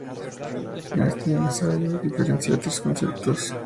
En este ensayo, diferencia tres conceptos.